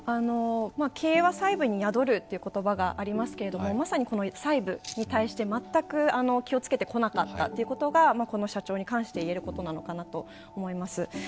経営は細部に宿るという言葉がありますけれども、まさにその細部に対して全く気をつけてこなかったということがこの社長に関して言えることなのかなと思います。